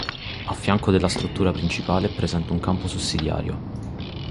A fianco della struttura principale è presente un campo sussidiario.